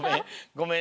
ごめん。